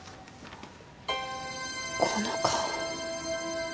この顔。